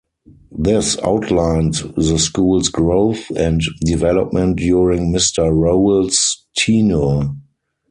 This outlined the school's growth and development during Mr. Rowell's tenure.